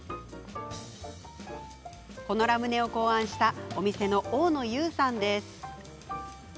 このラムネを考案したお店の大野悠さんです。